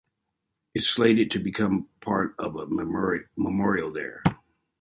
It is slated to become part of a memorial there.